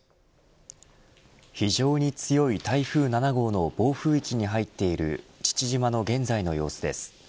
非常に強い台風７号の暴風域に入っている父島の現在の様子です。